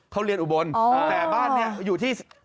เขาเรียนอุบลแต่บ้านนี้อยู่ที่